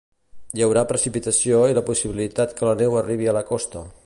Hi haurà precipitació i la possibilitat que la neu arribi a la costa.